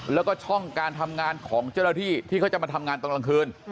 แล้วก็ช่องการทำงานของเจ้าหน้าที่ที่เขาจะมาทำงานตอนกลางคืน